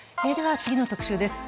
次の特集です。